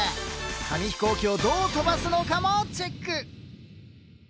紙飛行機をどう飛ばすのかもチェック。